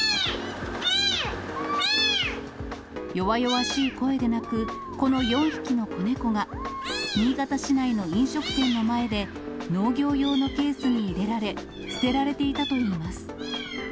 弱々しい声で鳴くこの４匹の子猫が、新潟市内の飲食店の前で、農業用のケースに入れられ、捨てられていたといいます。